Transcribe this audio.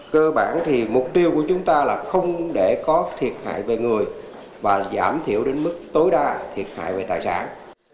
cơ bản thì mục tiêu của chúng ta là không để có thiệt hại về người và giảm thiểu đến mức tối đa thiệt hại về tài sản